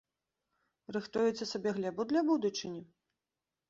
Рыхтуеце сабе глебу для будучыні?